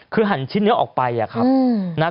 คือหันชิ้นเนื้อออกไปอะครับ